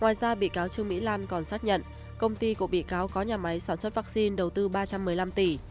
ngoài ra bị cáo trương mỹ lan còn xác nhận công ty của bị cáo có nhà máy sản xuất vaccine đầu tư ba trăm một mươi năm tỷ